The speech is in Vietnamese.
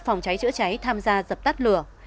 phòng cháy chữa cháy tham gia dập tắt lửa